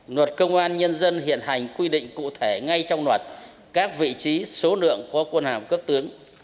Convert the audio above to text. luật công an nhân dân hiện hành quy định cụ thể ngay trong luật các vị trí số lượng của quân hàm cấp tướng